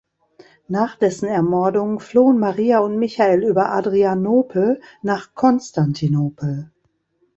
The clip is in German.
Nach dessen Ermordung flohen Maria und Michael über Adrianopel nach Konstantinopel.